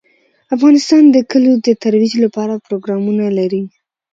افغانستان د کلیو د ترویج لپاره پروګرامونه لري.